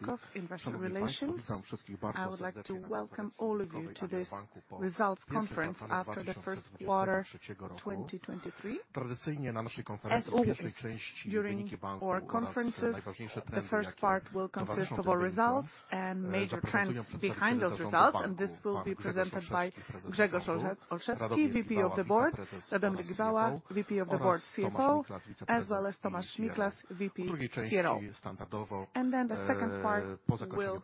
Prokop, Investor Relations. I would like to welcome all of you to this results conference after the first quarter 2023. As always, during our conferences, the first part will consist of our results and major trends behind those results, this will be presented by Grzegorz Olszewski, EVP of the Board; Radomir Gibała, VP of the Board, CFO; as well as Tomasz Miklas, VP, CRO. The second part will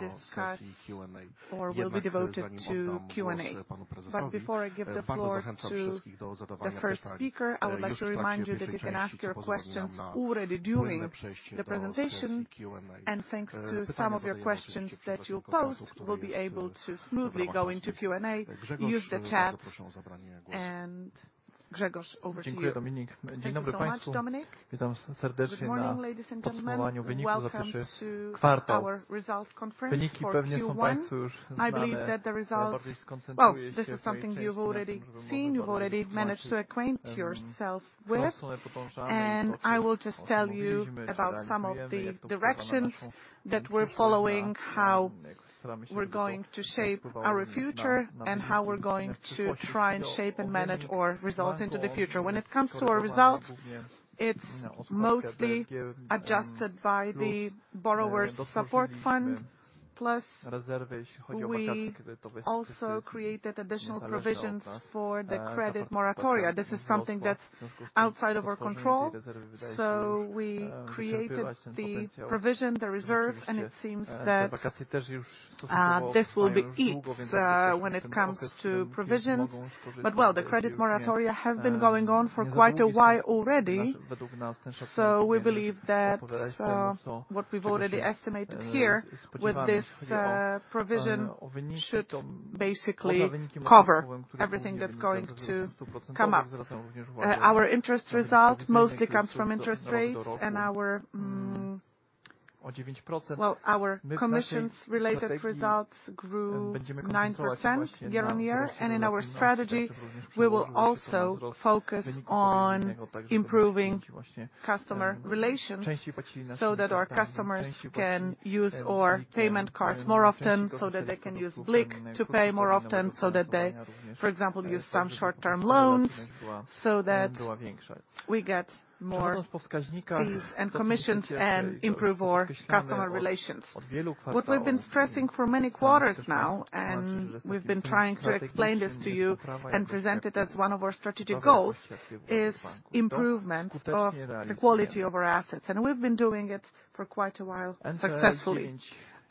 discuss, or will be devoted to Q&A. Before I give the floor to the first speaker, I would like to remind you that you can ask your questions already during the presentation. Thanks to some of your questions that you post, we'll be able to smoothly go into Q&A. Use the chat. Grzegorz, over to you. Dziękuję, Dominik. Dzień dobry Państwu. Witam serdecznie na podsumowaniu wyników za pierwszy kwartał. Wyniki pewnie są państwu już znane. Najbardziej skoncentruję się w tej części na tym, co możemy zauważyć. Wzrosły dochody odsetkowe. Widzimy, że realizujemy, jak to było zapowiadane przez naszą strategię, że staramy się to tak wpływało na wyniki w przyszłości. Do odnawialnych źródeł energii. Głównie odskocznią, jakie był. Dochodowość, jeżeli chodzi o wakacje kredytowe, oczywiście też zależała od nas. To partia kredytowa rosła w związku z otworzeniem tej rezerwy. Wydaje się, że wyczerpywać ten potencjał. Oczywiście te wakacje też już stosunkowo trwają już długo, więc oczywiście z tym procesem już się mogą zmierzyć. Nie sądu, że według nas ten szacunek będzie odpowiadać temu, co rzeczywiście spodziewamy się, jeżeli chodzi o wyniki. Poza wynikiem odsetkowym, który, jak mówię, wzrasta w zestawieniu 100%. Zwracam również uwagę na rentowność, która wzrasta w stosunku do roku o 9%. My w naszej strategii będziemy koncentrować się właśnie na rozwoju naszej sieci, ale też również przyłożymy bardzo duży nacisk do wyniku operacyjnego, tak żeby zwiększyć właśnie, częściej płacili nasi klienci, częściej korzystali z naszych usług, z naszego BLIKu do płatności, ale również wykorzystywania również jakichś krótkoterminowych źródeł finansowania, również tak, żeby ta rentowność była większa. Przechodząc do wskaźnika, to rzeczywiście od wielu kwartałów staramy się pokazywać, że za tym strategicznym jest poprawa jakości aktywów. To właśnie się w tym banku. To skutecznie realizujemy.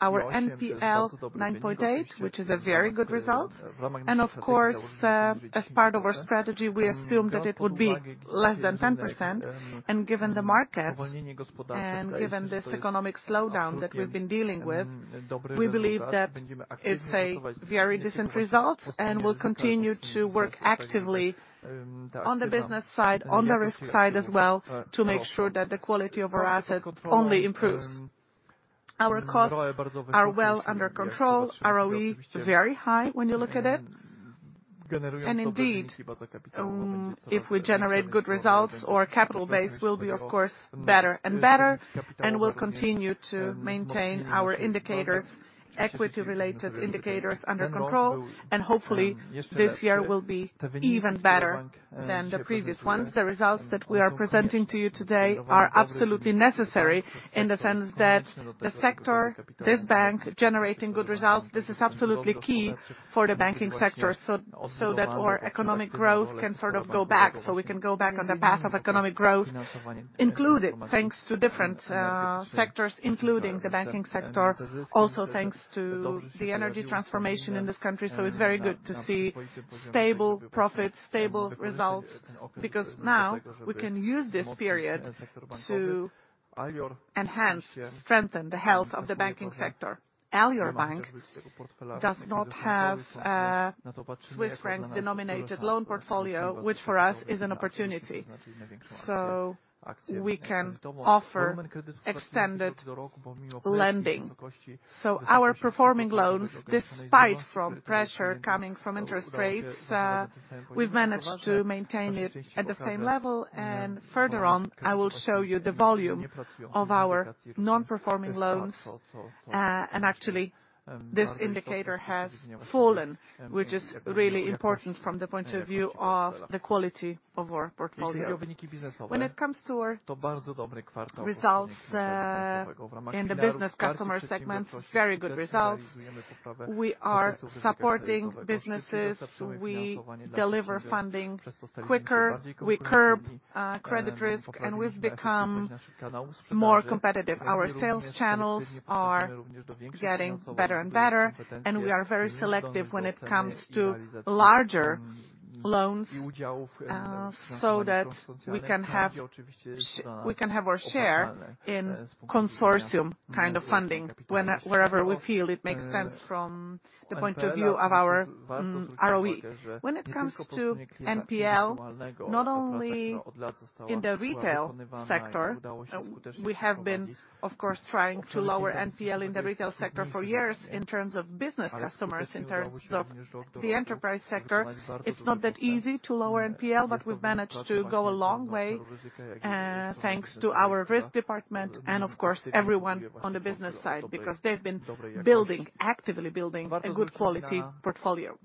NPL 9.8 to bardzo dobry wynik. Oczywiście w ramach naszej strategii założyliśmy, że będzie niższe. Warto też uwagę, że jeśli chodzi o rentowność, to w trakcie tej części spokojnie przejdziemy do sesji Q&A. Dobry wynik od nas. Będziemy aktywnie pracować nad tym, żeby ten wskaźnik odpowiednio się kształtował. Tak, wiem. Wyniki się kształtują bardzo dobrze. Our costs are well under control. ROE, very high when you look at it. Indeed, if we generate good results, our capital base will be, of course, better and better. We'll continue to maintain our indicators, equity-related indicators under control. Hopefully, this year will be even better than the previous ones. The results that we are presenting to you today are absolutely necessary in the sense that the sector, this bank, generating good results, this is absolutely key for the banking sector, so that our economic growth can sort of go back. We can go back on the path of economic growth, thanks to different sectors, including the banking sector. Thanks to the energy transformation in this country. It's very good to see stable profits, stable results, because now we can use this period to enhance, strengthen the health of the banking sector. Alior Bank does not have a Swiss Franc-denominated loan portfolio, which for us is an opportunity. We can offer extended lending. Our performing loans, despite from pressure coming from interest rates, we've managed to maintain it at the same level. Further on, I will show you the volume of our non-performing loans. Actually, this indicator has fallen, which is really important from the point of view of the quality of our portfolio. When it comes to our results, in the business customer segments, very good results. We are supporting businesses. We deliver funding quicker, we curb credit risk, and we've become more competitive. Our sales channels are getting better and better, and we are very selective when it comes to larger loans, so that we can have our share in consortium kind of funding wherever we feel it makes sense from the point of view of our ROE. When it comes to NPL, not only in the retail sector, we have been, of course, trying to lower NPL in the retail sector for years in terms of business customers, in terms of the enterprise sector. It's not that easy to lower NPL, but we've managed to go a long way, thanks to our Risk department and of course, everyone on the business side, because they've been building, actively building a good quality portfolio.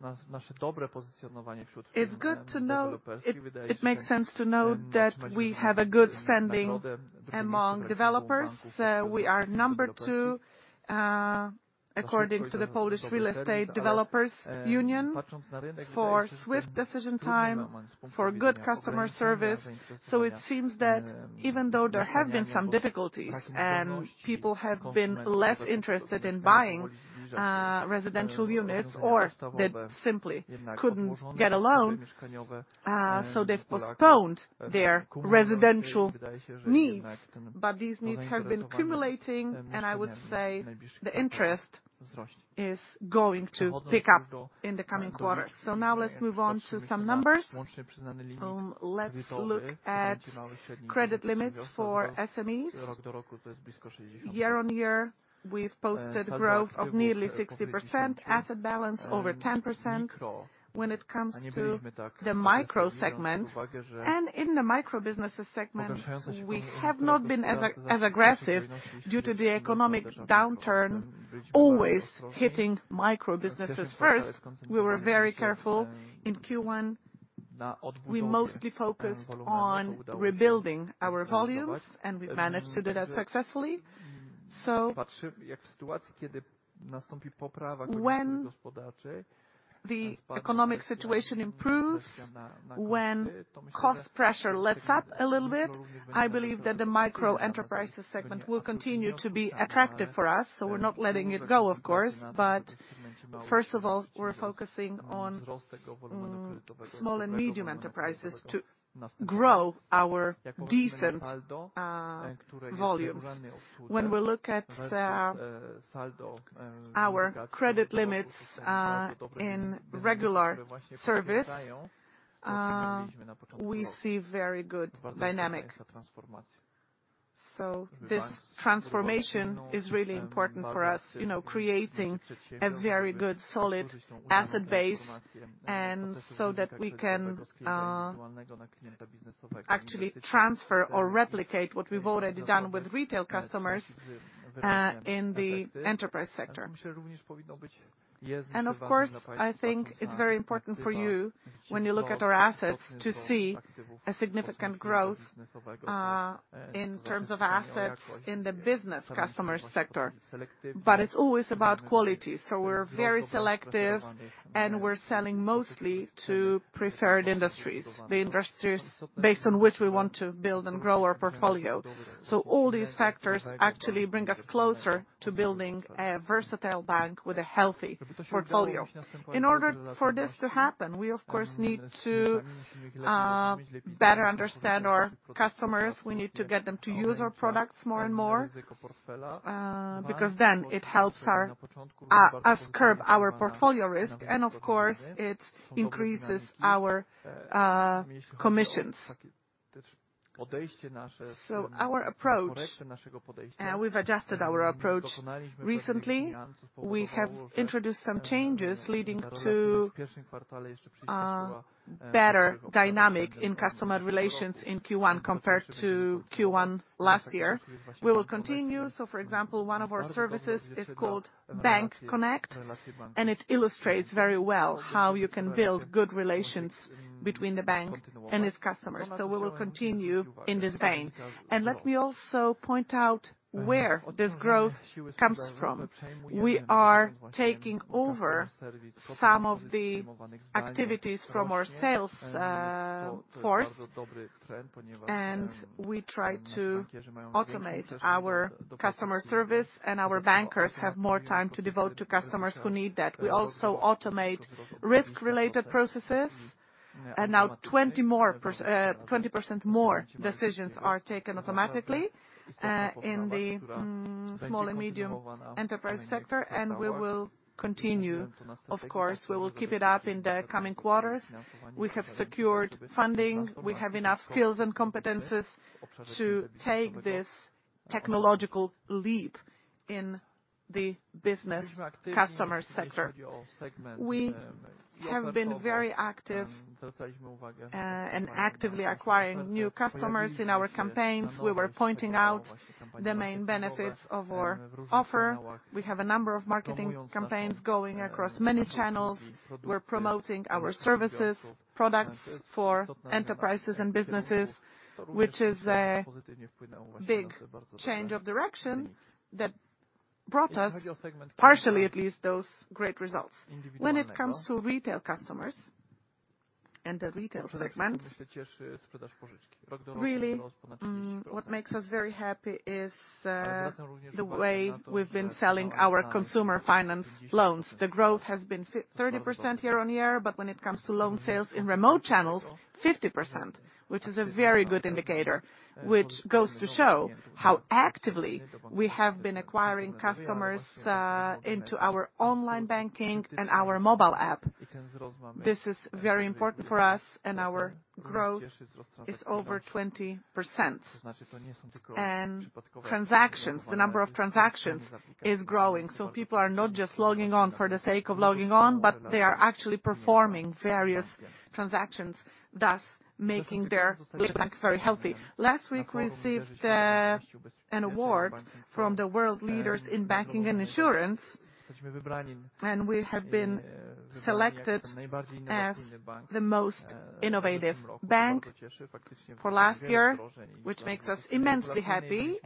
It makes sense to know that we have a good standing among developers. We are number two, according to the Polish Association of Real Estate Developers, for swift decision time, for good customer service. It seems that even though there have been some difficulties and people have been less interested in buying residential units, or they simply couldn't get a loan, they've postponed their residential needs. These needs have been accumulating, and I would say the interest is going to pick up in the coming quarters. Now let's move on to some numbers. Let's look at credit limits for SMEs. Year-on-year, we've posted growth of nearly 60%. Asset balance over 10% when it comes to the Micro segment. In the Micro-Businesses segment, we have not been as aggressive due to the economic downturn always hitting micro-businesses first. We were very careful in Q1. We mostly focused on rebuilding our volumes, and we managed to do that successfully. When the economic situation improves, when cost pressure lets up a little bit, I believe that the Micro-Enterprises segment will continue to be attractive for us. We're not letting it go, of course. First of all, we're focusing on Small and Medium Enterprises to grow our decent volumes. When we look at our credit limits in regular service, we see very good dynamic. This transformation is really important for us, you know, creating a very good solid asset base and so that we can actually transfer or replicate what we've already done with retail customers in the enterprise sector. Of course, I think it's very important for you, when you look at our assets, to see a significant growth, in terms of assets in the business customer sector. It's always about quality, so we're very selective, and we're selling mostly to preferred industries, the industries based on which we want to build and grow our portfolio. All these factors actually bring us closer to building a versatile bank with a healthy portfolio. In order for this to happen, we of course need to better understand our customers. We need to get them to use our products more and more, because then it helps us curb our portfolio risk, and of course, it increases our commissions. Our approach, we've adjusted our approach recently. We have introduced some changes leading to better dynamic in customer relations in Q1 compared to Q1 last year. We will continue. For example, one of our services is called BankConnect, and it illustrates very well how you can build good relations between the bank and its customers. We will continue in this vein. Let me also point out where this growth comes from. We are taking over some of the activities from our sales force, and we try to automate our customer service, and our bankers have more time to devote to customers who need that. We also automate risk-related processes, and now 20% more decisions are taken automatically in the Small and Medium Enterprise sector, and we will continue. We will keep it up in the coming quarters. We have secured funding. We have enough skills and competencies to take this technological leap in the business customer sector. We have been very active in actively acquiring new customers in our campaigns. We were pointing out the main benefits of our offer. We have a number of marketing campaigns going across many channels. We're promoting our services, products for enterprises and businesses, which is a big change of direction that brought us, partially at least, those great results. When it comes to Retail customers and the retail segment, really, what makes us very happy is the way we've been selling our consumer finance loans. The growth has been 30% year-on-year. When it comes to loan sales in remote channels, 50%, which is a very good indicator, which goes to show how actively we have been acquiring customers into our online banking and our mobile app. This is very important for us. Our growth is over 20%. Transactions, the number of transactions is growing. People are not just logging on for the sake of logging on, but they are actually performing various transactions, thus making the bank very healthy. Last week, we received an award from the world leaders in banking and insurance. We have been selected as the most innovative bank for last year, which makes us immensely happy.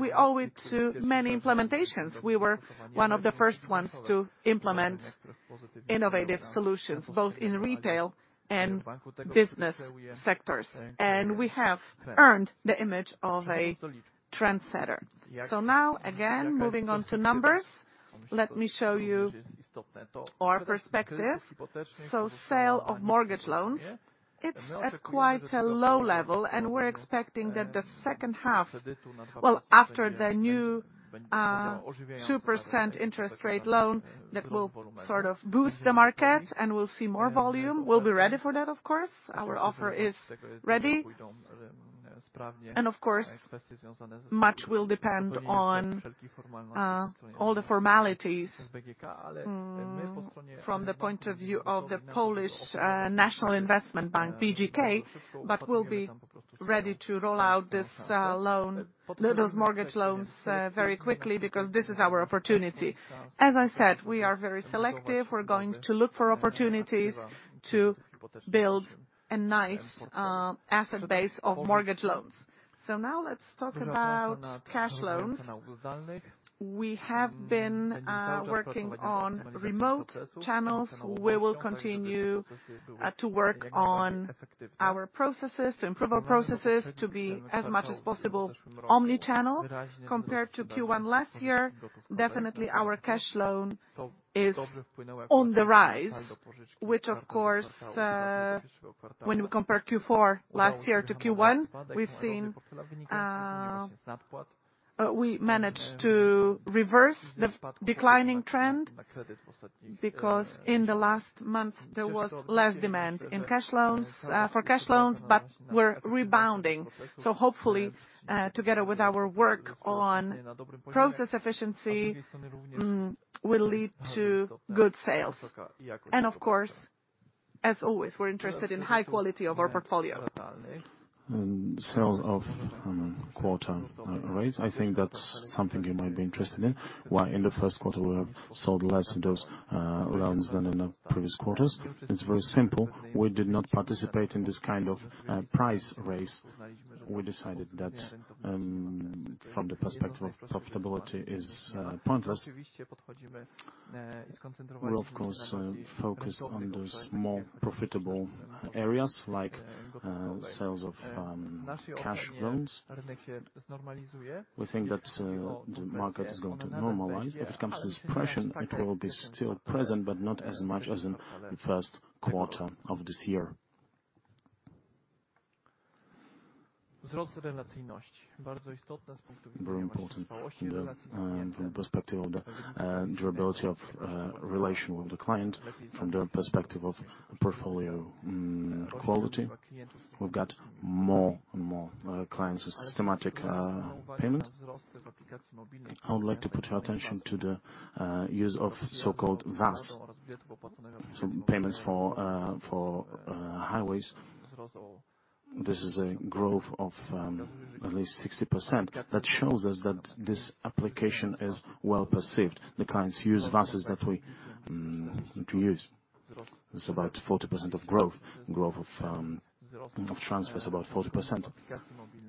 We owe it to many implementations. We were one of the first ones to implement innovative solutions, both in Retail and Business sectors. We have earned the image of a trendsetter. Now again, moving on to numbers, let me show you our perspective. Sale of mortgage loans, it's at quite a low level, and we're expecting that the second half. Well, after the new 2% interest rate loan, that will sort of boost the market and we'll see more volume. We'll be ready for that, of course. Our offer is ready. Of course, much will depend on all the formalities from the point of view of the Polish National Investment Bank, BGK. We'll be ready to roll out this loan, those mortgage loans very quickly because this is our opportunity. As I said, we are very selective. We're going for opportunities to build a nice asset base of Mortgage loans. Now let's talk about Cash loans. We have been working on remote channels. We will continue to work on our processes to improve our processes to be as much as possible omni-channel. Compared to Q1 last year, definitely our cash loan is on the rise, which of course, when we compare Q4 last year to Q1, we've seen, we managed to reverse the declining trend because in the last month, there was less demand in cash loans, for cash loans, but we're rebounding. Hopefully, together with our work on process efficiency, will lead to good sales. Of course, as always, we're interested in high quality of our portfolio. In sales of quarter rates, I think that's something you might be interested in. Why in the first quarter, we have sold less of those loans than in the previous quarters. It's very simple. We did not participate in this kind of price raise. We decided that from the perspective of profitability is pointless. We're of course focused on those more profitable areas like sales of Cash loans. We think that the market is going to normalize. If it comes to suppression, it will be still present, but not as much as in the first quarter of this year. Very important from the perspective of the durability of relation with the client, from the perspective of portfolio quality. We've got more and more clients with systematic payments. I would like to put your attention to the use of so-called VAS. Payments for highways. This is a growth of at least 60%. That shows us that this application is well perceived. The clients use VASs that we use. It's about 40% of growth. Growth of transfers about 40%.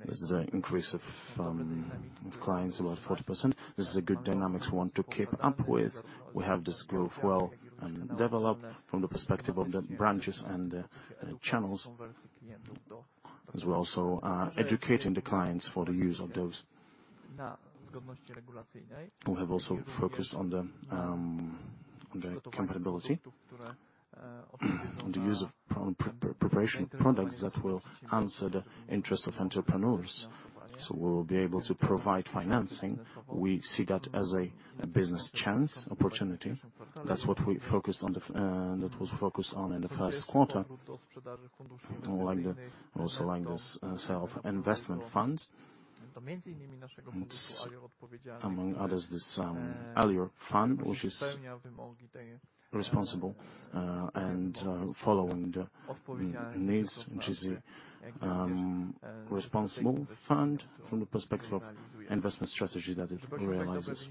This is the increase of clients, about 40%. This is a good dynamics we want to keep up with. We have this growth well and developed from the perspective of the branches and the channels, as we're also educating the clients for the use of those. We have also focused on the compatibility, on the use of pre-approved products that will answer the interest of entrepreneurs. We'll be able to provide financing. We see that as a business chance, opportunity. That's what we focused on the, that was focused on in the first quarter. More like the, also like the self investment fund. It's among others, this Alior Fund, which is responsible and following the needs, which is a responsible fund from the perspective of investment strategy that it realizes.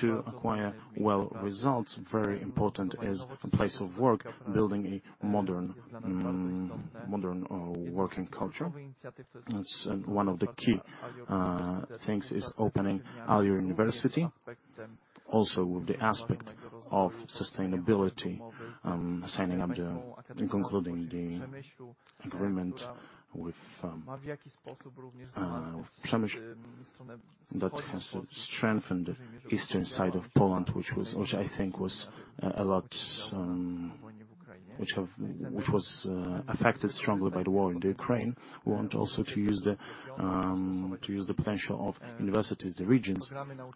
To acquire well results, very important is the place of work, building a modern working culture. That's. One of the key things is opening Alior University. Also, the aspect of sustainability, signing up the, concluding the agreement with Przemyśl that has strengthened the eastern side of Poland, which I think was a lot. Which was affected strongly by the war in the Ukraine. We want also to use the potential of universities, the regions,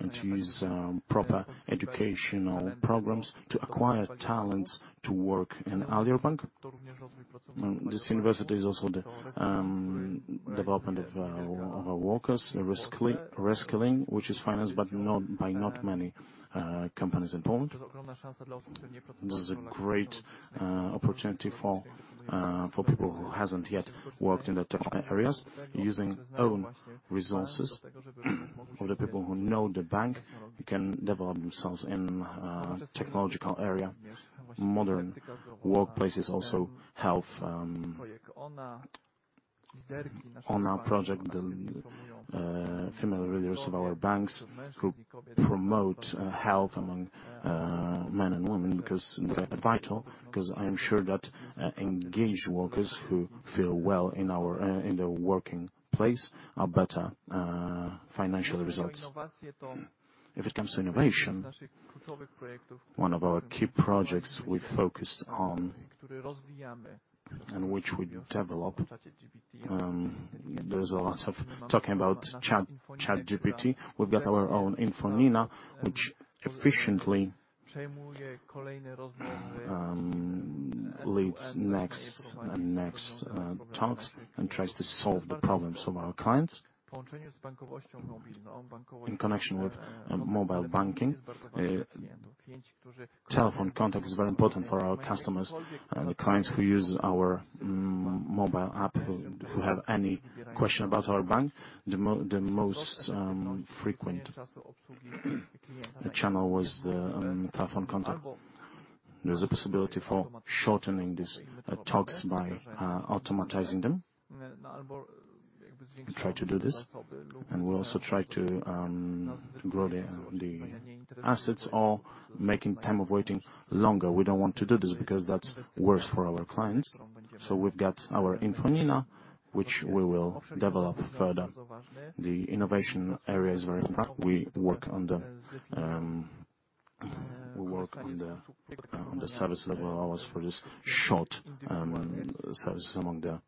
and to use proper educational programs to acquire talents to work in Alior Bank. This university is also the development of our workers, the reskilling, which is financed, but not by not many companies in Poland. This is a great opportunity for people who hasn't yet worked in the tech areas, using own resources of the people who know the bank, who can develop themselves in technological area. Modern workplace is also health. On our project, the female leaders of our banks who promote health among men and women because they're vital, because I'm sure that engaged workers who feel well in the working place are better financial results. If it comes to innovation, one of our key projects we focused on, and which we develop, there's a lot of talking about ChatGPT. We've got our own InfoNina, which efficiently leads next and next talks and tries to solve the problems of our clients. In connection with mobile banking, telephone contact is very important for our customers. Clients who use our mobile app, who have any question about our bank, the most frequent channel was the telephone contact. There's a possibility for shortening these talks by automatizing them. We try to do this, and we also try to grow the assets or making time of waiting longer. We don't want to do this because that's worse for our clients. We've got our InfoNina, which we will develop further. The innovation area is we work on the service levels for this short service among the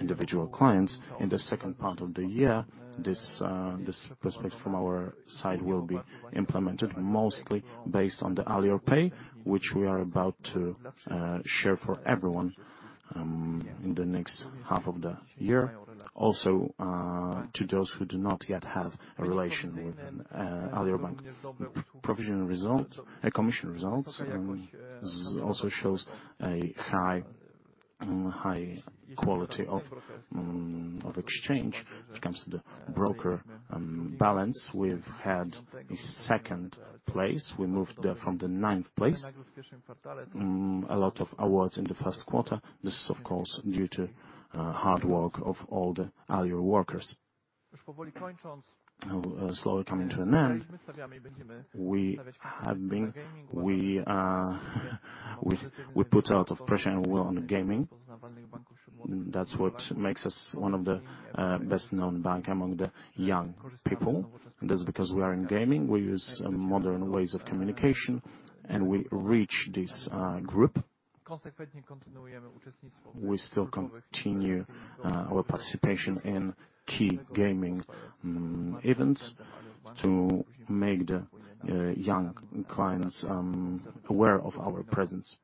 individual clients. In the second part of the year, this perspective from our side will be implemented mostly based on the Alior Pay, which we are about to share for everyone in the next half of the year. To those who do not yet have a relation with an Alior Bank. Commission results also shows a high quality of exchange. When it comes to the broker balance, we've had a second place. We moved from the ninth place. A lot of awards in the first quarter. This is of course due to hard work of all the Alior workers. Now, slowly coming to an end. We put a lot of pressure on Gaming. That's what makes us one of the best-known bank among the young people. That's because we are in gaming, we use modern ways of communication, and we reach this group. We still continue our participation in key gaming events to make the young clients aware of our presence,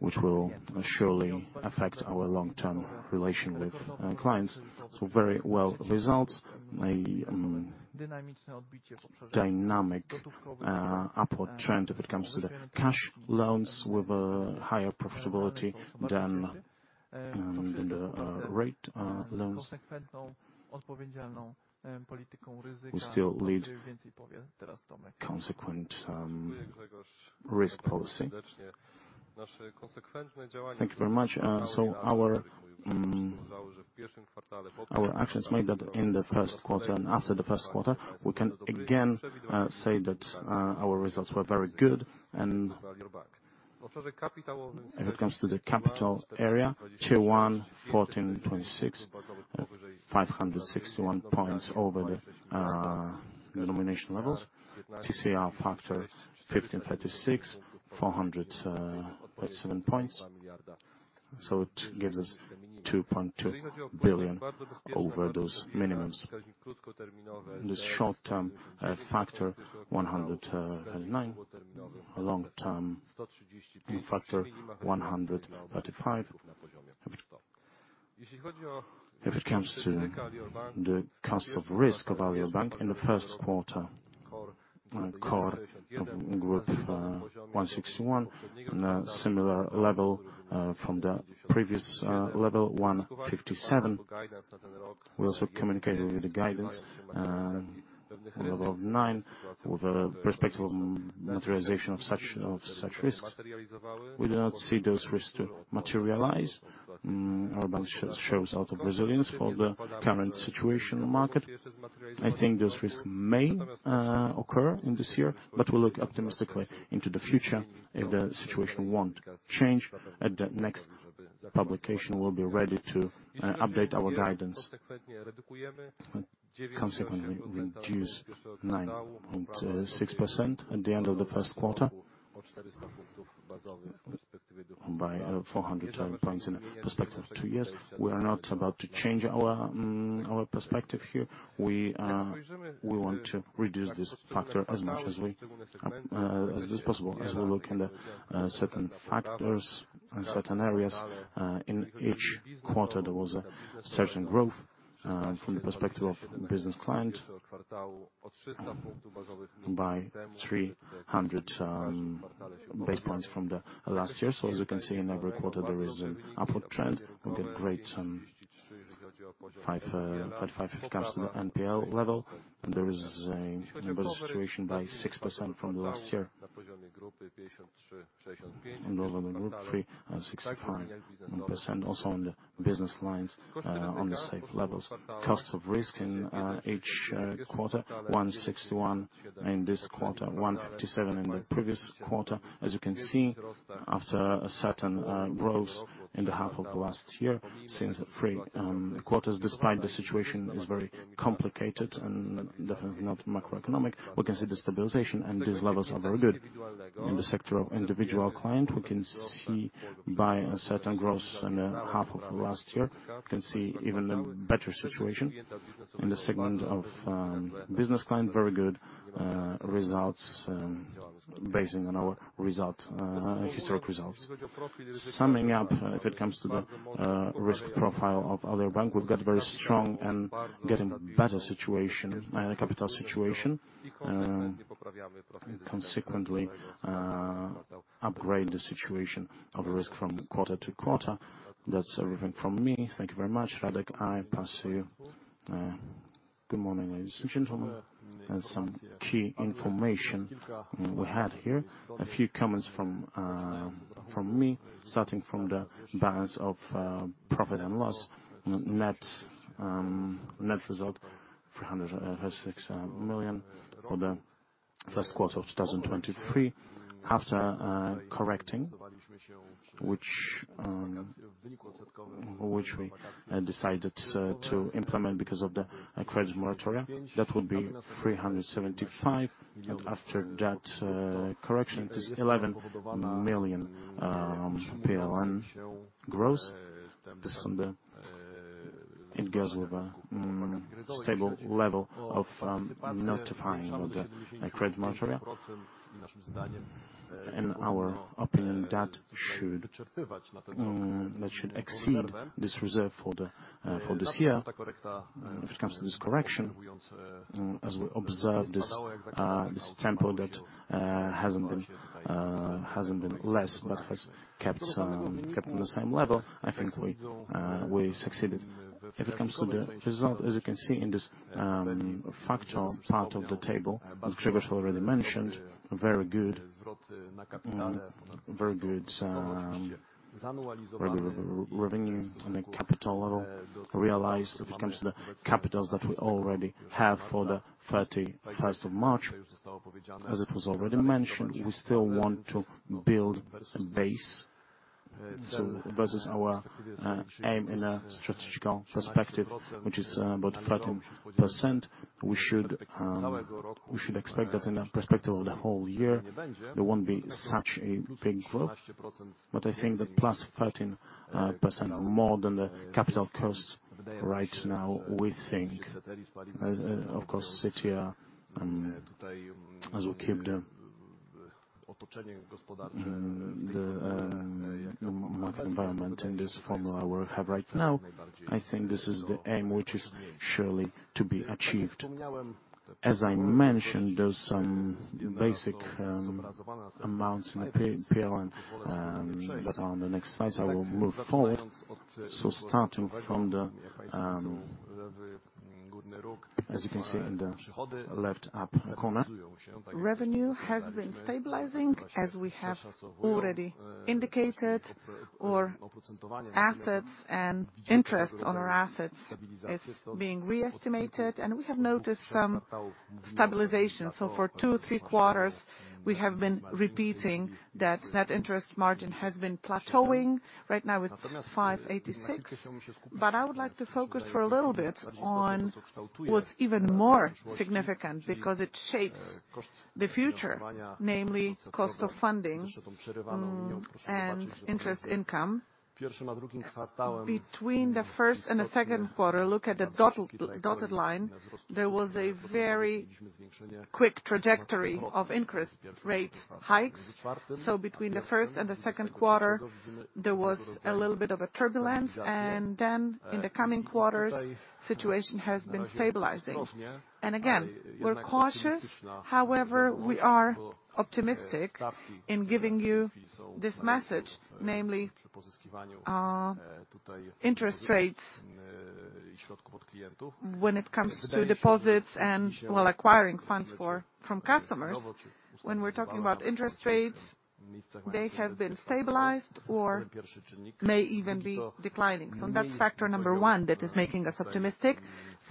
which will surely affect our long-term relation with clients. Very well results, a dynamic upward trend if it comes to the cash loans with a higher profitability than the rate loans. We still lead consequent risk policy. Thank you very much. Our actions made that in the first quarter, and after the first quarter, we can again say that our results were very good. If it comes to the capital area, 14.26%, 561 points over the denomination levels. TCR factor 15.36%, 407 points. So it gives us 2.2 billion over those minimums. This short-term factor 109%, long-term factor 135%. If it comes to the cost of risk of Alior Bank in the first quarter, core of group 161 and a similar level from the previous level 157. We also communicated with the guidance level of 9% with a perspective materialization of such, of such risks. We do not see those risks to materialize. Our bank shows a lot of resilience for the current situation in the market. I think those risks may occur in this year, but we look optimistically into the future if the situation won't change. At the next publication, we'll be ready to update our guidance. Consequently, we reduce 9.6% at the end of the first quarter by 400 points in a perspective of two years. We are not about to change our perspective here. We want to reduce this factor as much as is possible. As we look in the certain factors and certain areas, in each quarter, there was a certain growth from the perspective of business client by 300 base points from the last year. As you can see, in every quarter, there is an upward trend with a great 5.5% if it comes to the NPL level. There is an improvement situation by 6% from the last year. In total, we grew 3.65%, also in the business lines, on the same levels. Cost of risk in each quarter, 161 in this quarter, 157 in the previous quarter. As you can see, after a certain growth in the half of last year, since the three quarters, despite the situation is very complicated and definitely not macroeconomic, we can see the stabilization and these levels are very good. In the sector of individual client, we can see by a certain growth in the half of last year, we can see even the better situation. In the segment of business client, very good results, basing on our result, historic results. Summing up, if it comes to the risk profile of Alior Bank, we've got very strong and getting better capital situation. Consequently, upgrade the situation of risk from quarter to quarter. That's everything from me. Thank you very much. Radomir, I pass to you. Good morning, ladies and gentlemen, some key information we have here. A few comments from me, starting from the balance of profit and loss. Net result 306 million for the first quarter of 2023. After correcting which we decided to implement because of the credit moratorium, that would be 375 million. After that, correction, it is 11 million PLN gross. It goes with a stable level of notifying of the credit moratorium. In our opinion, that should exceed this reserve for this year. If it comes to this correction, as we observed this tempo that hasn't been less, but has kept on the same level, I think we succeeded. If it comes to the result, as you can see in this factor part of the table, as Grzegorz already mentioned, very good revenue on a capital level realized if it comes to the capitals that we already have for the 31st of March. As it was already mentioned, we still want to build a base to, versus our aim in a strategical perspective, which is about 13%. We should expect that in a perspective of the whole year, there won't be such a big growth. I think that +13% or more than the capital costs right now, we think, of course, ceteris, as we keep the market environment in this formula where we have right now, I think this is the aim which is surely to be achieved. As I mentioned, there's some basic amounts in the PLN that are on the next slides. I will move forward. Starting from the, as you can see in the left up corner. Revenue has been stabilizing, as we have already indicated. Our assets and interest on our assets is being re-estimated, and we have noticed some stabilization. For two, three quarters, we have been repeating that net interest margin has been plateauing. Right now, it's 5.86%. I would like to focus for a little bit on what's even more significant because it shapes the future, namely cost of funding and interest income. Between the first and the second quarter, look at the dotted line, there was a very quick trajectory of increased rate hikes. Between the first and the second quarter, there was a little bit of a turbulence, and then in the coming quarters, situation has been stabilizing. Again, we're cautious. We are optimistic in giving you this message, namely, interest rates when it comes to deposits and acquiring funds from customers. When we're talking about interest rates, they have been stabilized or may even be declining. That's factor number one that is making us optimistic.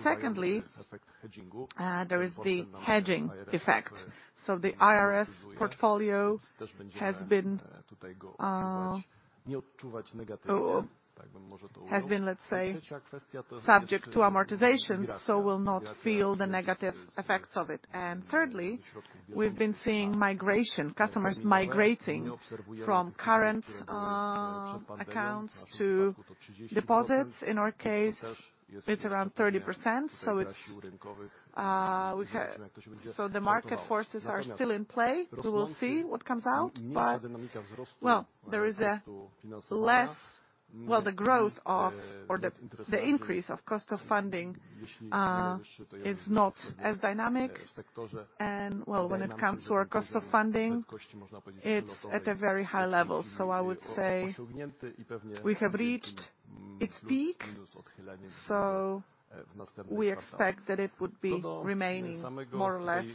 Secondly, there is the hedging effect. The IRS portfolio has been, let's say, subject to amortization, will not feel the negative effects of it. Thirdly, we've been seeing migration, customers migrating from current accounts to deposits. In our case, it's around 30%. It's, the market forces are still in play. We will see what comes out. There is a less the growth of the increase of cost of funding is not as dynamic. Well, when it comes to our cost of funding, it's at a very high level. I would say we have reached its peak, so we expect that it would be remaining more or less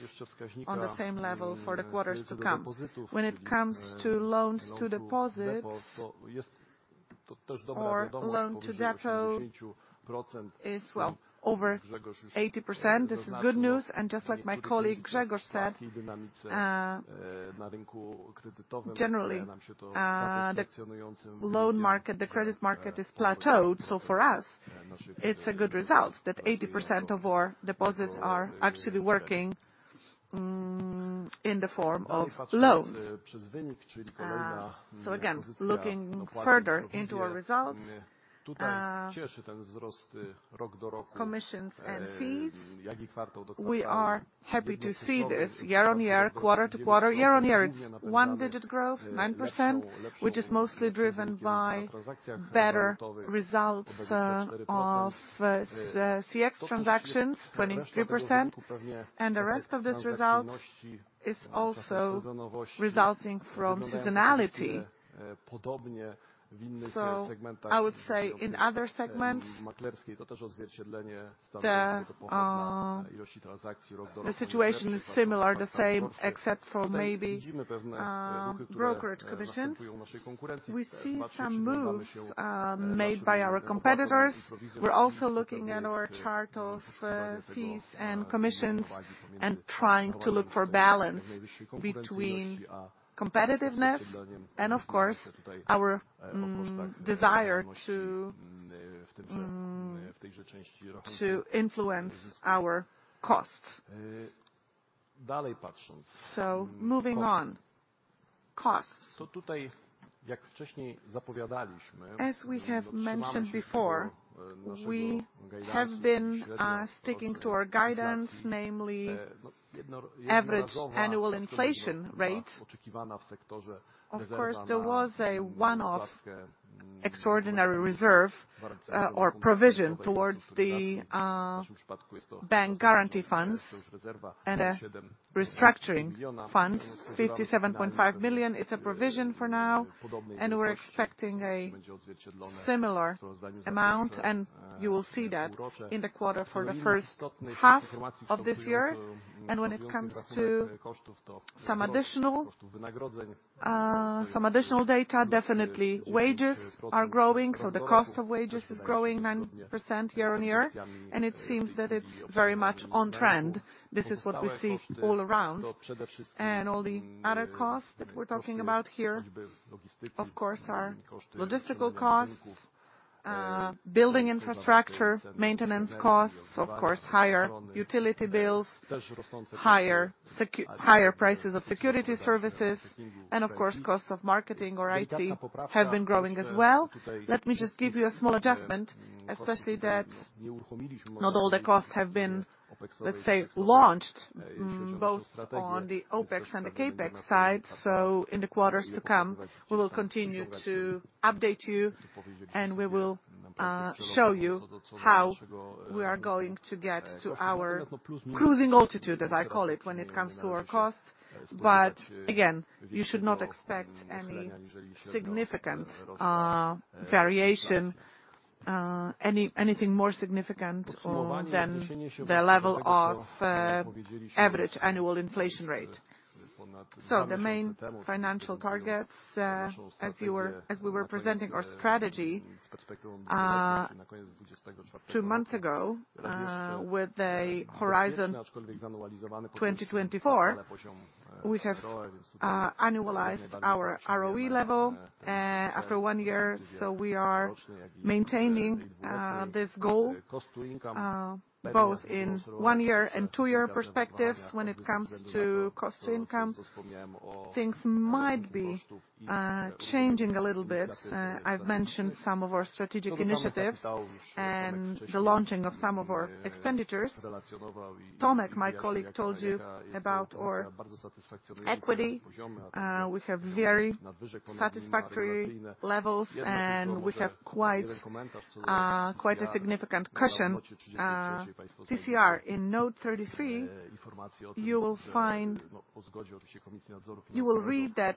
on the same level for the quarters to come. When it comes to loans to deposits or loan to deposit is, well, over 80%. This is good news. Just like my colleague Grzegorz said, generally, the loan market, the credit market is plateaued. For us, it's a good result that 80% of our deposits are actually working in the form of loans. So again, looking further into our results, commissions and fees, we are happy to see this year-on-year, quarter-to-quarter. Year-on-year, it's one-digit growth, 9%, which is mostly driven by better results of FX transactions, 23%. The rest of this result is also resulting from seasonality. I would say in other segments, the situation is similar, the same, except for maybe brokerage commissions. We see some moves made by our competitors. We're also looking at our chart of fees and commissions and trying to look for balance between competitiveness and, of course, our desire to influence our costs. Moving on, costs. As we have mentioned before, we have been sticking to our guidance, namely average annual inflation rate. Of course, there was a one-off extraordinary reserve or provision towards the Bank Guarantee Fund and a restructuring fund, 57.5 million. It's a provision for now, and we're expecting a similar amount, and you will see that in the quarter for the first half of this year. When it comes to some additional, some additional data, definitely wages are growing, so the cost of wages is growing 9% year-on-year. It seems that it's very much on trend. This is what we see all around. All the other costs that we're talking about here, of course, are logistical costs, building infrastructure, maintenance costs, of course, higher utility bills, higher prices of security services, and of course, costs of marketing or IT have been growing as well. Let me just give you a small adjustment, especially that not all the costs have been, let's say, launched, both on the OpEx and the CapEx side. In the quarters to come, we will continue to update you, and we will show you how we are going to get to our cruising altitude, as I call it, when it comes to our costs. Again, you should not expect any significant variation, anything more significant or than the level of average annual inflation rate. The main financial targets, as we were presenting our strategy two months ago, with a horizon 2024, we have annualized our ROE level after one year. We are maintaining this goal both in one-year and two-year perspectives when it comes to cost to income. Things might be changing a little bit. I've mentioned some of our strategic initiatives and the launching of some of our expenditures. Tomasz, my colleague, told you about our equity. We have very satisfactory levels, and we have quite a significant cushion. CCR in Note 33, you will read that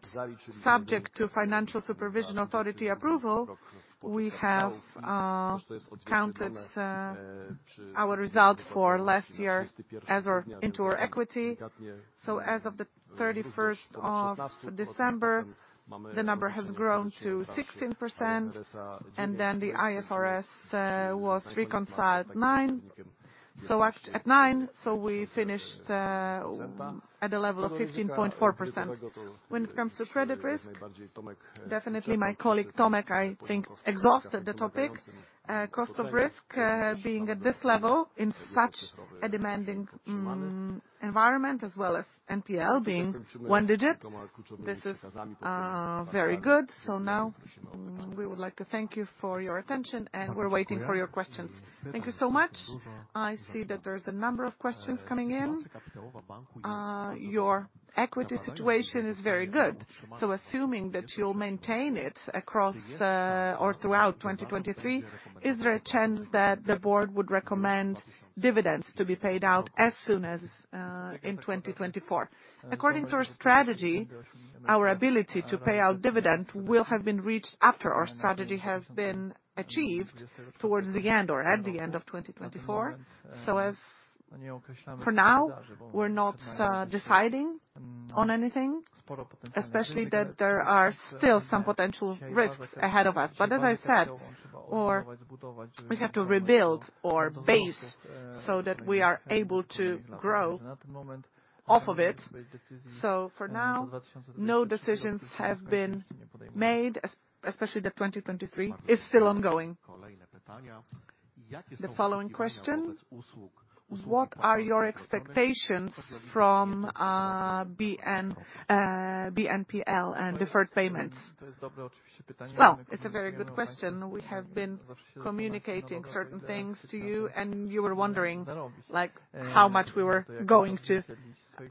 subject to Financial Supervision Authority approval, we have counted our result for last year into our equity. As of the 31st of December, the number has grown to 16%, the IFRS was reconciled 9. At 9, we finished at a level of 15.4%. When it comes to credit risk, definitely my colleague, Tomasz, I think, exhausted the topic. Cost of risk being at this level in such a demanding environment, as well as NPL being one digit, this is very good. Now we would like to thank you for your attention, and we're waiting for your questions. Thank you so much. I see that there's a number of questions coming in. Your equity situation is very good, so assuming that you'll maintain it across or throughout 2023, is there a chance that the board would recommend dividends to be paid out as soon as in 2024? According to our strategy, our ability to pay out dividend will have been reached after our strategy has been achieved towards the end or at the end of 2024. As for now, we're not deciding on anything, especially that there are still some potential risks ahead of us. As I said, or we have to rebuild our base so that we are able to grow off of it. For now, no decisions have been made, especially the 2023 is still ongoing. The following question, what are your expectations from BNPL and deferred payments? Well, it's a very good question. We have been communicating certain things to you, and you were wondering, like, how much we were going to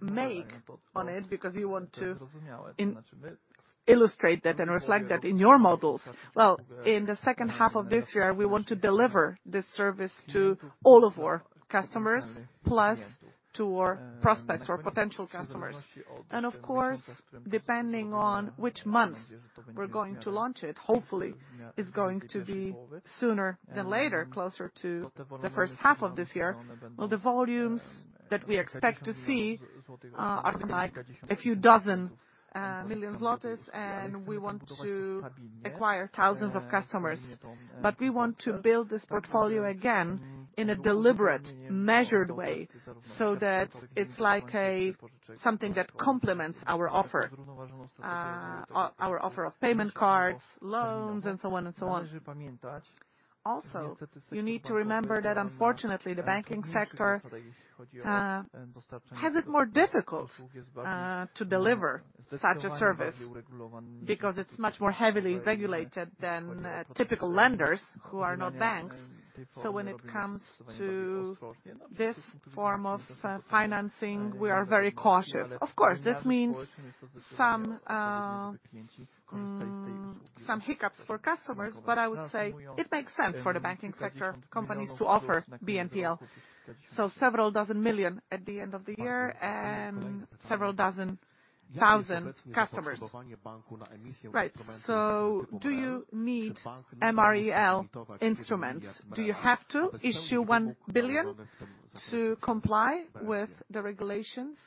make on it, because you want to illustrate that and reflect that in your models. Well, in the second half of this year, we want to deliver this service to all of our customers, plus to our prospects or potential customers. Of course, depending on which month we're going to launch it, hopefully it's going to be sooner than later, closer to the first half of this year. Well, the volumes that we expect to see are like a few dozen million zlotys, and we want to acquire thousands of customers. We want to build this portfolio again in a deliberate, measured way, so that it's like a, something that complements our offer. Our offer of payment cards, loans, and so on and so on. Also, you need to remember that unfortunately, the banking sector has it more difficult to deliver such a service, because it's much more heavily regulated than typical lenders who are not banks. When it comes to this form of financing, we are very cautious. Of course, this means some hiccups for customers, but I would say it makes sense for the banking sector companies to offer BNPL. Several dozen million at the end of the year and several dozen thousand customers. Right. Do you need MREL instruments? Do you have to issue 1 billion to comply with the regulations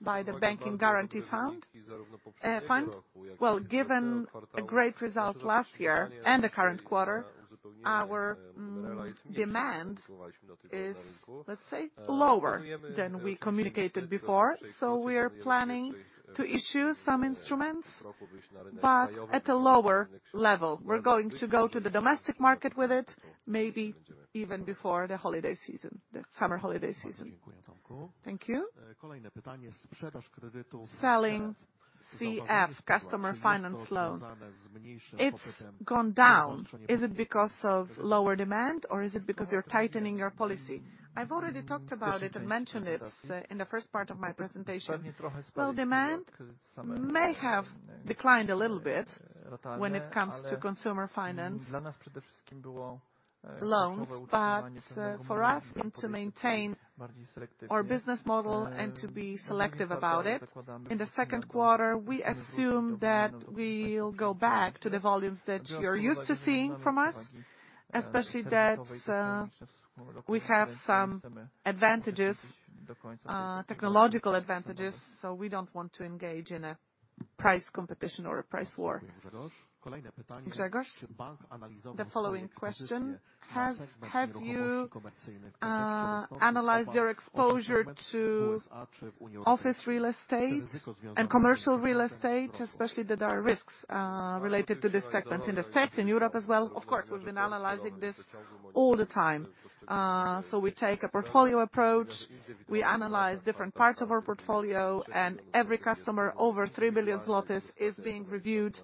by the Bank Guarantee Fund? Given a great result last year and the current quarter, our demand is, let's say, lower than we communicated before. We are planning to issue some instruments, but at a lower level. We're going to go to the domestic market with it, maybe even before the holiday season, the summer holiday season. Thank you. Selling CF, Customer finance loans, it's gone down. Is it because of lower demand or is it because you're tightening your policy? I've already talked about it and mentioned it in the first part of my presentation. Demand may have declined a little bit when it comes to consumer finance loans. For us and to maintain our business model and to be selective about it, in the second quarter, we assume that we'll go back to the volumes that you're used to seeing from us, especially that we have some advantages, technological advantages, so we don't want to engage in a price competition or a price war. Grzegorz? The following question. Have you analyzed your exposure to office real estate and commercial real estate, especially that there are risks related to these segments in the States, in Europe as well? Of course, we've been analyzing this all the time. So we take a portfolio approach. We analyze different parts of our portfolio. Every customer over 3 billion zlotys is being reviewed,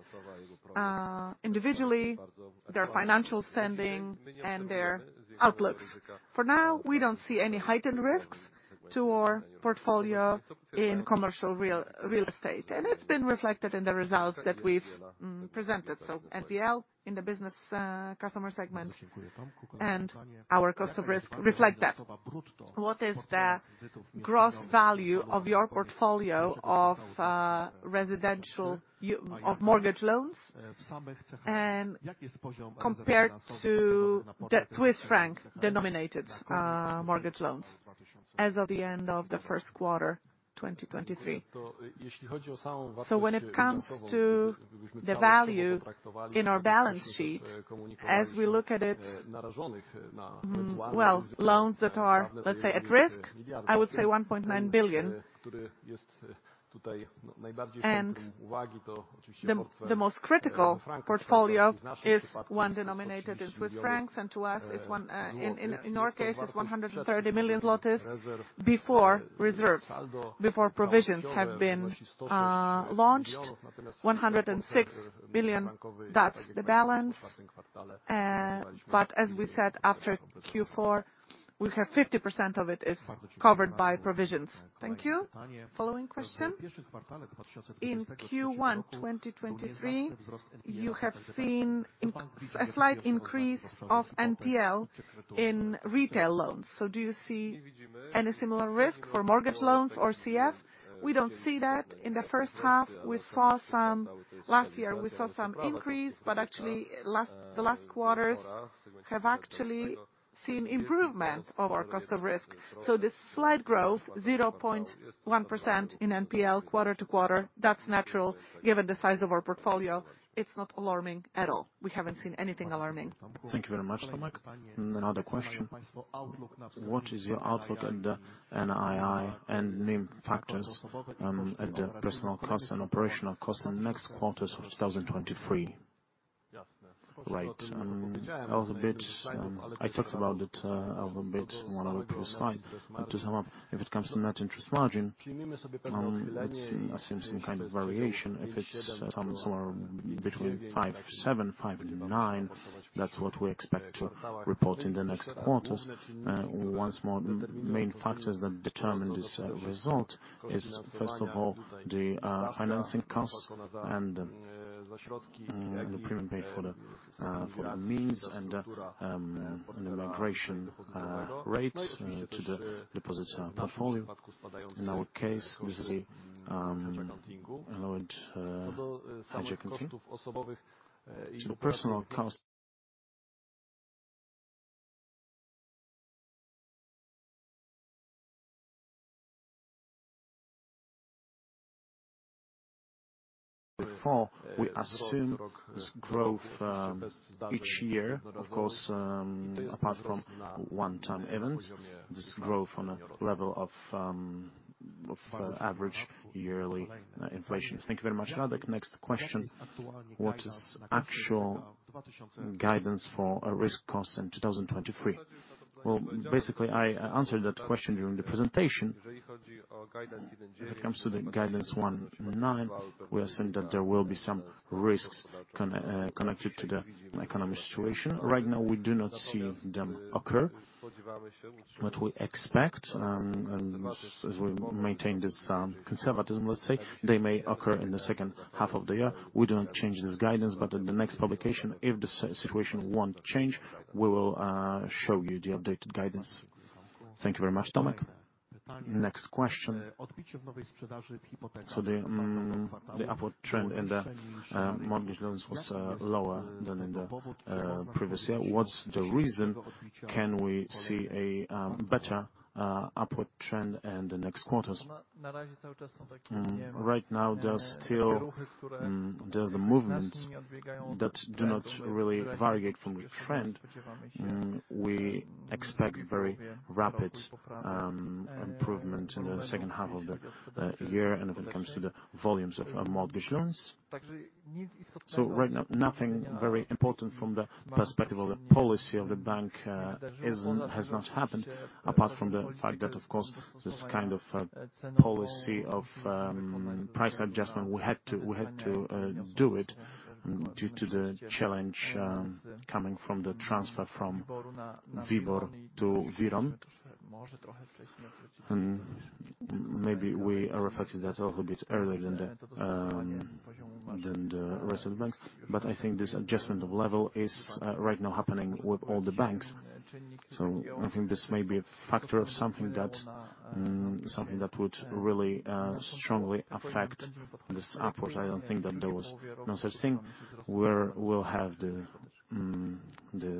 individually, their financial standing and their outlooks. For now, we don't see any heightened risks to our portfolio in commercial real estate, and it's been reflected in the results that we've presented. NPL in the business customer segment and our cost of risk reflect that. What is the gross value of your portfolio of residential of mortgage loans and compared to the Swiss franc-denominated mortgage loans as of the end of the first quarter, 2023. When it comes to the value in our balance sheet, as we look at it, well, loans that are, let's say, at risk, I would say 1.9 billion. The most critical portfolio is one denominated in Swiss francs, and to us in our case, it's 130 million zlotys before reserves, before provisions have been launched. 1.06 billion, that's the balance. As we said, after Q4, we have 50% of it is covered by provisions. Thank you. Following question. In Q1 2023, you have seen a slight increase of NPL in retail loans. Do you see any similar risk for mortgage loans or CF? We don't see that. In the first half, we saw some increase, actually the last quarters have actually Seen improvement of our cost of risk. This slight growth, 0.1% in NPL quarter to quarter, that's natural given the size of our portfolio. It's not alarming at all. We haven't seen anything alarming. Thank you very much, Tomasz. Another question. What is your outlook on the NII and main factors at the personal cost and operational cost in next quarters of 2023? Right. A little bit, I talked about it a little bit on one of the previous slide. To sum up, if it comes to net interest margin, let's see, assuming some kind of variation, if it's somewhere between 5%- 7%, 5% and 9%, that's what we expect to report in the next quarters. Once more, main factors that determine this result is first of all the financing costs and the premium paid for the means and the migration rate to the depositor portfolio. In our case, this is a lowered hedge accounting. To personal cost... Before, we assume this growth each year, of course, apart from one-time events. This growth on a level of average yearly inflation. Thank you very much, Radomir. Next question. What is actual guidance for risk costs in 2023? Well, basically, I answered that question during the presentation. When it comes to the guidance 1.9%, we assume that there will be some risks connected to the economic situation. Right now, we do not see them occur. What we expect, and as we maintain this conservatism, let's say, they may occur in the second half of the year. We don't change this guidance. At the next publication, if the situation won't change, we will show you the updated guidance. Thank you very much, Tomasz. Next question. The upward trend in the mortgage loans was lower than in the previous year. What's the reason? Can we see a better upward trend in the next quarters? Right now, there's still there's the movements that do not really variate from the trend. We expect very rapid improvement in the second half of the year and when it comes to the volumes of mortgage loans. Right now, nothing very important from the perspective of the policy of the bank has not happened, apart from the fact that, of course, this kind of policy of price adjustment, we had to do it due to the challenge coming from the transfer from WIBOR to WIRON. Maybe we are affected that a little bit earlier than the rest of the banks. I think this adjustment of level is right now happening with all the banks. I think this may be a factor of something that would really strongly affect this upward. I don't think that there was no such thing, where we'll have the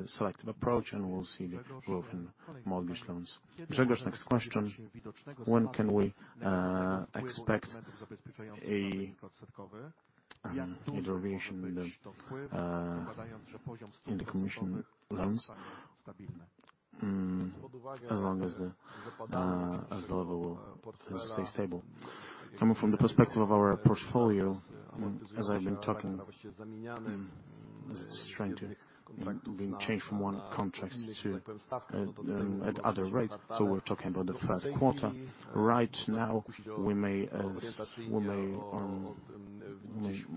selective approach, and we'll see the growth in mortgage loans. Grzegorz, next question. When can we expect a intervention in the commission loans? As long as the level will stay stable. Coming from the perspective of our portfolio, as I've been talking, this is trying to, you know, being changed from one contracts to at other rates. We're talking about the first quarter. Right now, we may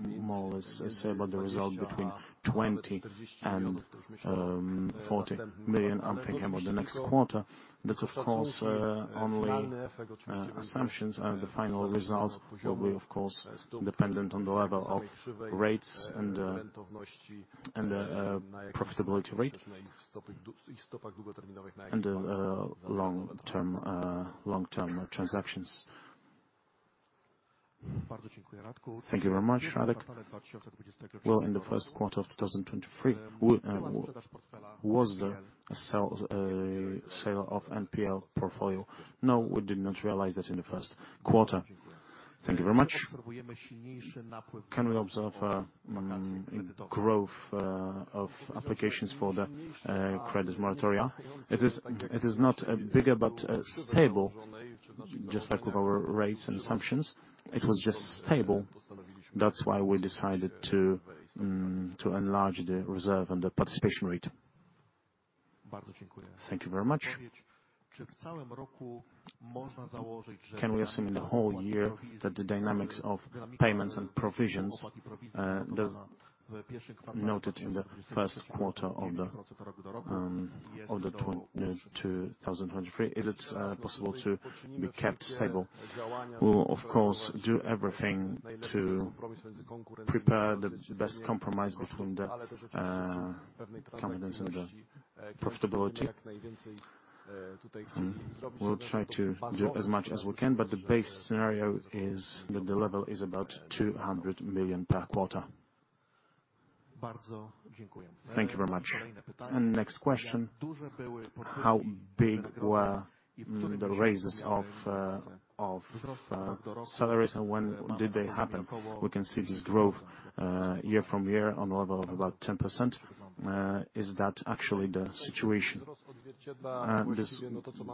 more or less say about the result between 20 million and 40 million. I'm thinking about the next quarter. That's of course only assumptions and the final results will be of course dependent on the level of rates and and the profitability rate and the long-term transactions. Thank you very much, Radomir. Well, in the first quarter of 2023, we was the sale of NPL portfolio. We did not realize that in the first quarter. Thank you very much. Can we observe growth of applications for the credit moratoria? It is not bigger but stable, just like with our rates and assumptions. It was just stable. That's why we decided to enlarge the reserve and the participation rate. Thank you very much. Can we assume in the whole year that the dynamics of payments and provisions that's noted in the first quarter of 2023, is it possible to be kept stable? We will, of course, do everything to prepare the best compromise between the competence and the profitability. We'll try to do as much as we can, but the base scenario is that the level is about 200 million per quarter. Thank you very much. Next question, how big were the raises of salaries and when did they happen? We can see this growth year from year on level of about 10%. Is that actually the situation? This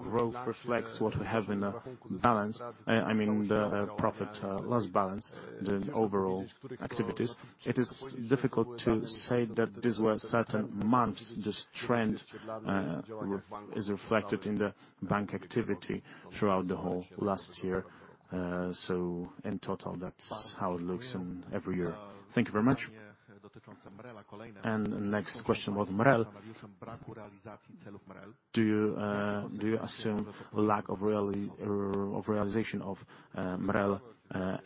growth reflects what we have in the balance. I mean, the profit, last balance, the overall activities. It is difficult to say that these were certain months. This trend is reflected in the bank activity throughout the whole last year. In total, that's how it looks in every year. Thank you very much. Next question about MREL. Do you assume lack of realization of MREL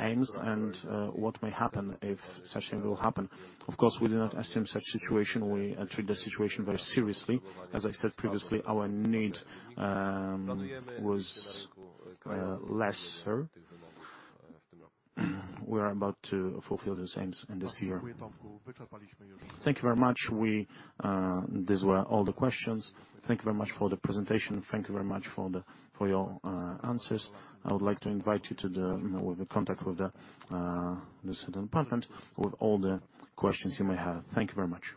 aims and what may happen if such thing will happen? Of course, we do not assume such situation. We treat the situation very seriously. As I said previously, our need was lesser. We are about to fulfill those aims in this year. Thank you very much. We, these were all the questions. Thank you very much for the presentation. Thank you very much for the, for your answers. I would like to invite you to the, you know, the contact with the certain department with all the questions you may have. Thank you very much.